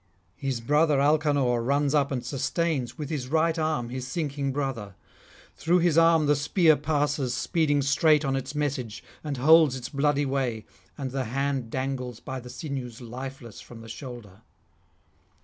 His brother Alcanor runs up and sustains with his right arm his sinking brother; through his arm the spear passes speeding straight on its message, and holds its bloody way, and the hand dangles by the sinews lifeless from the shoulder.